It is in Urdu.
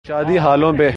شادی ہالوں پہ۔